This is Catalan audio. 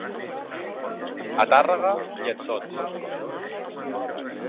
A Tàrrega, lletsons.